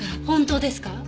本当ですか？